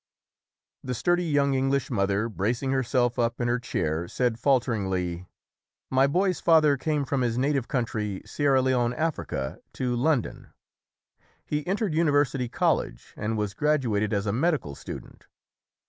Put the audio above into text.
The sturdy young English mother, bracing her self up in her chair, said falteringly, "My boy's father came from his native country, Sierra Leone, Africa, to London. He entered University College and was graduated as a medical student.